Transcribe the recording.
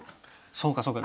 そうかそうか。